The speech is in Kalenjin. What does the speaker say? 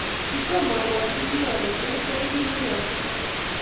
Kitomo abwotchini ale tos yai kiy neya kounoto